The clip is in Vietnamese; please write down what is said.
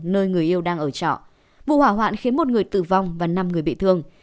nơi người yêu đang ở trọ vụ hỏa hoạn khiến một người tử vong và năm người bị thương